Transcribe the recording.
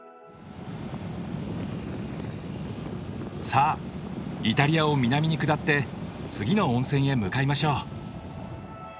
さあイタリアを南に下って次の温泉へ向かいましょう。